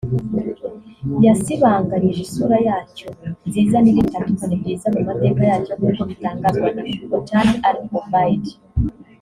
yasibanganyije isura yacyo nziza n’ibindi bitandukanye byiza mu mateka yacyo nk’uko bitangazwa na Qahtan al-Obaid